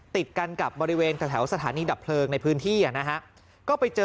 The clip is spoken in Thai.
ติดกันกับบริเวณแถวสถานีดับเพลิงในพื้นที่นะฮะก็ไปเจอ